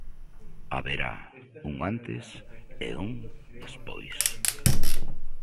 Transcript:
Haberá un antes e un despois.